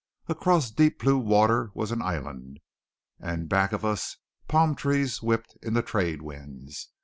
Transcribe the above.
Across deep blue water was an island; and back of us palm trees whipped in the trade winds.